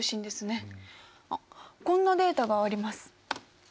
あっこんなデータがあります。